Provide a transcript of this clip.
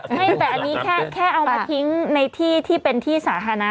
ใช่แต่อันนี้แค่เอามาทิ้งในที่ที่เป็นที่สาธารณะ